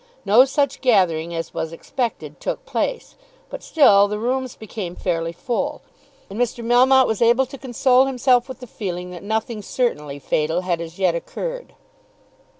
No such gathering as was expected took place; but still the rooms became fairly full, and Mr. Melmotte was able to console himself with the feeling that nothing certainly fatal had as yet occurred.